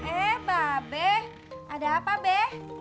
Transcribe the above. eba be ada apa be